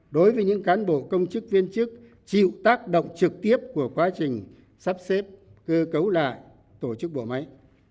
đối với những cán bộ công chức viên chức chịu tác động trực tiếp của quá trình sắp xếp cơ cấu lại tổ chức bộ máy